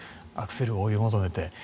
アクセルを追い求めて。